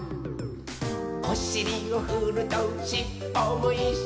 「おしりをふるとしっぽもいっしょに」